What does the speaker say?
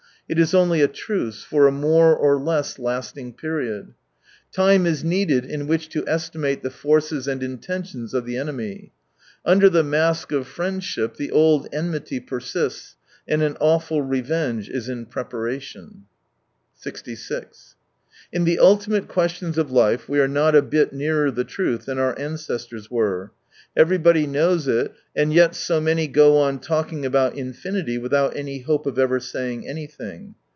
It is only a truce, for a more or less lasting period. Time is needed in which to estimate the forces and intentions of the enemy. Under the mask of friendship the old enmity persists, and an awful revenge is in preparation, 66 In the " ultimate questions of life " we are not a bit nearer the truth than our ancestors were. Everybody knows it, and yet so many go on talking about infinity, without any hope of ever saying anything.